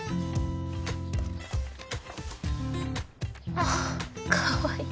あっかわいい。